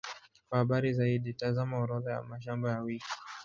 Kwa habari zaidi, tazama Orodha ya mashamba ya wiki.